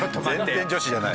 全然女子じゃない。